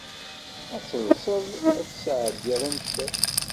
Ad talsed ad d-tesɛeddid aneccaf.